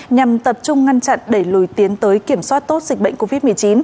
nhằm tập trung ngăn chặn đẩy lùi tiến tới kiểm soát tốt dịch bệnh covid một mươi chín